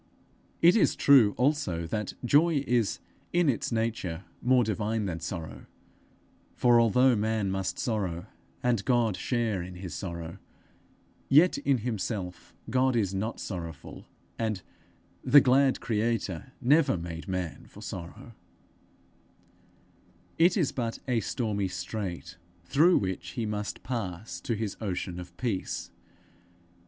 It is true also that joy is in its nature more divine than sorrow; for, although man must sorrow, and God share in his sorrow, yet in himself God is not sorrowful, and the 'glad creator' never made man for sorrow: it is but a stormy strait through which he must pass to his ocean of peace.